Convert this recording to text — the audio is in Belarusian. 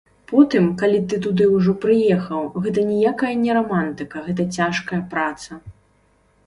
Потым, калі ты туды ўжо прыехаў, гэта ніякая не рамантыка, гэта цяжкая праца!